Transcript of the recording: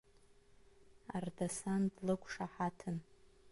Ардасан длықәшаҳаҭын.